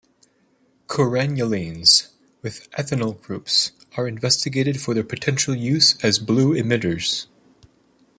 Corannulenes with ethynyl groups are investigated for their potential use as blue emitters.